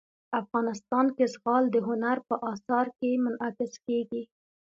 افغانستان کې زغال د هنر په اثار کې منعکس کېږي.